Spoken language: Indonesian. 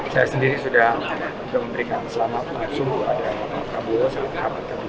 saya sendiri sudah memberikan selamat maksudku ada pak bolo sangat terima kasih